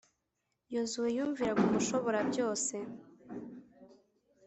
Yozuwe yumviraga Umushoborabyose,